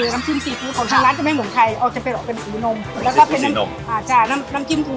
น้ำจิ้มซีฟู้ของทางร้านก็ไม่เหมือนใครออกจะเป็นออกเป็นสีนม